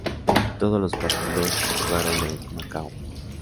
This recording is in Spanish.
Todos los partidos se jugaron en Macao.